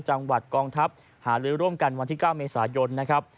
จังหวัดกองทัพหาลือร่วมกันวันที่๙เมษายนนะครับ